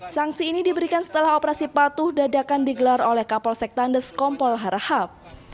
sangsi ini diberikan setelah operasi patuh dadakan digelar oleh kapol sektandes kompol harahap